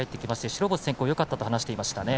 白星先行よかったと話していました。